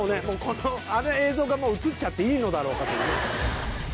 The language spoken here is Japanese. あの映像がもう映っちゃっていいのだろうかというね。